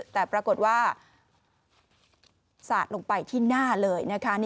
แต่ปรากฏว่าสาดลงไปที่หน้าเลยนะคะ